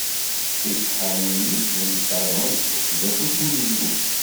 Iseḥḥaren-nni? Nnan i Ferɛun: Wagi, d afus n Yillu!